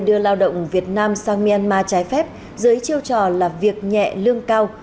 đường dây đưa lao động việt nam sang myanmar trái phép dưới chiêu trò là việc nhẹ lương cao